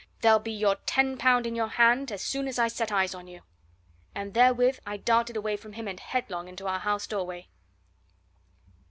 there'll be your ten pound in your hand as soon as I set eyes on you!" And therewith I darted away from him and headlong into our house doorway.